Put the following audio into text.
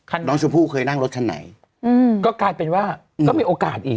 น้องชมพู่เคยนั่งรถคันไหนอืมก็กลายเป็นว่าก็มีโอกาสอีก